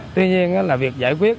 tuy nhiên là việc giải quyết